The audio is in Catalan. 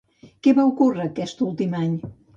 Què va ocórrer aquest últim any?